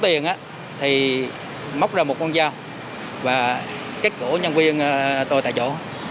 khi đối tượng thò tay vào túi để móc tiền thì móc ra một con dao và kết cổ nhân viên tôi tại chỗ